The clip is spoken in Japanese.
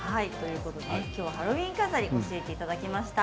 今日はハロウィーン飾りを教えていただきました。